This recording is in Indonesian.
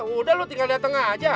udah lu tinggal datang aja